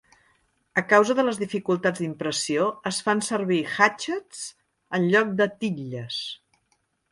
A causa de les dificultats d'impressió es fan servir hàtxeks en lloc de titlles.